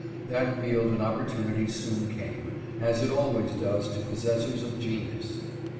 That field and opportunity soon came, as it always does to possessors of genius.